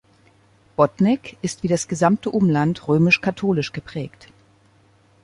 Bodnegg ist wie das gesamte Umland römisch-katholisch geprägt.